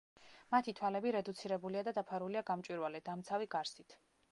მათი თვალები რედუცირებულია და დაფარულია გამჭვირვალე, დამცავი გარსით.